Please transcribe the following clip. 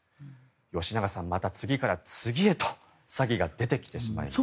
吉永さん、また次から次へと詐欺が出てきてしまいますね。